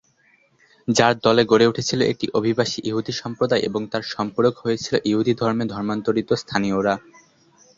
যার দলে গড়ে উঠেছিল একটি অভিবাসী ইহুদি সম্প্রদায় এবং তার সম্পূরক হয়েছিল ইহুদি ধর্মে ধর্মান্তরিত স্থানীয়রা।